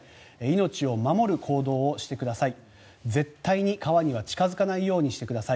命を守る行動をしてください。